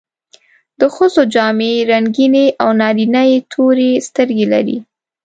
د ښځو جامې رنګینې او نارینه یې تورې سترګې لري.